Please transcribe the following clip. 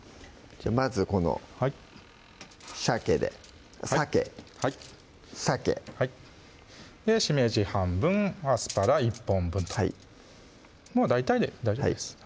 まずこのしゃけでさけさけはいしめじ半分アスパラ１本分ともう大体で大丈夫です